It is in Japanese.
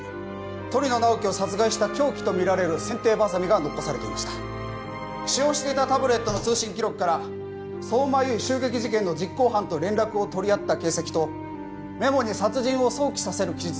鳥野直木を殺害した凶器とみられる剪定バサミが残されていました使用していたタブレットの通信記録から相馬悠依襲撃事件の実行犯と連絡をとりあった形跡とメモに殺人を想起させる記述